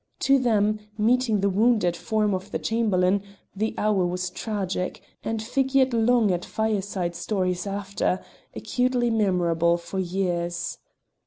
To them, meeting the wounded form of the Chamberlain, the hour was tragic, and figured long at fireside stories after, acutely memorable for years.